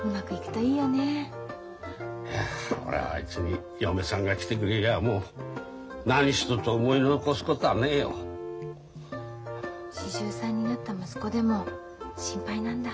いや俺はあいつに嫁さんが来てくれりゃもう何一つ思い残すこたあねえよ。４３になった息子でも心配なんだ。